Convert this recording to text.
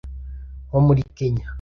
nko muri Kenya